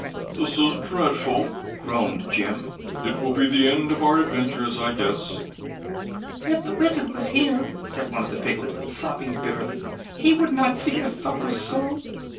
"This is dreadful!" groaned Jim. "It will be about the end of our adventures, I guess." "If the Wizard was here," said one of the piglets, sobbing bitterly, "he would not see us suffer so."